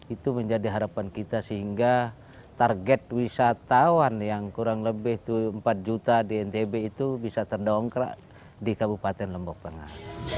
itu menjadi harapan kita sehingga target wisatawan yang kurang lebih empat juta di ntb itu bisa terdongkrak di kabupaten lombok tengah